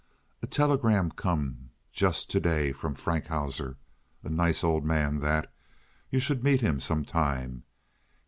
"A telegram come shusst to day from Frankhauser. A nice man dot. You shouldt meet him sometime.